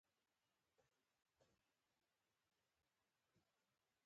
په لویدیزه نړۍ کې یې پراخه هرکلی وشو.